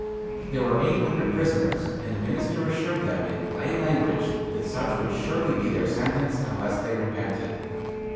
There were eight hundred prisoners, and the minister assured them, in plain language, that such would surely be their sentence unless they repented."